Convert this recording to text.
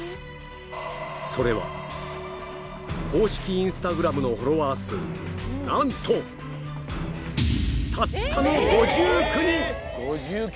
それは、公式インスタグラムのフォロワー数、なんとたったの５９人。